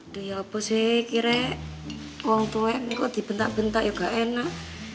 aduh ya apa sih kira kira orang tua kok dibentak bentak ya enggak enak